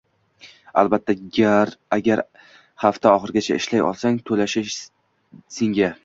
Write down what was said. Albatta, agar hafta oxirigacha ishlay olsang, to`lashadi senga